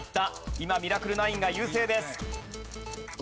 今ミラクル９が優勢です。